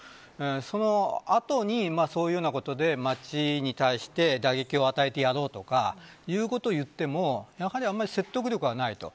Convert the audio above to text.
その後に、そういうようなことで町に対して打撃を与えてやろうとかいうことを言ってもやはり説得力がない。